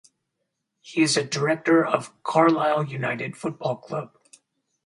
He is a director of Carlisle United Football Club.